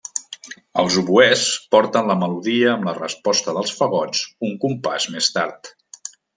Els oboès porten la melodia amb la resposta dels fagots un compàs més tard.